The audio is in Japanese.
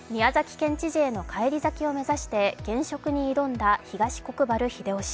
県知事への返り咲きを目指して、現職に挑んだ東国原英夫氏。